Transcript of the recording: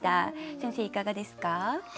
先生いかがですか？